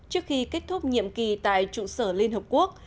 trước khi kết thúc nhiệm kỳ tại trụ sở liên hợp quốc